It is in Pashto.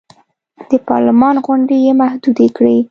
د پارلمان غونډې یې محدودې کړې.